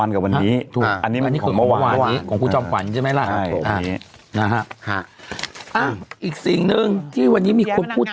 แต่อันนี้มันคนละวันกับวันนี้